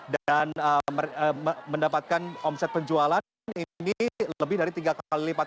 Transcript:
dan mendapatkan omset penjualan ini lebih dari tiga kali lipat